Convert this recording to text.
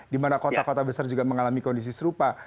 di mana kota kota besar juga mengalami kondisi serupa